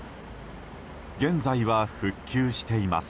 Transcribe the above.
現在は復旧しています。